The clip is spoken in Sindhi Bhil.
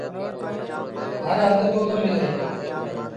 هر هنڌ ڪوندو ملي۔